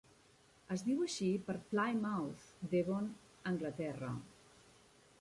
Es diu així per Plymouth, Devon, Anglaterra.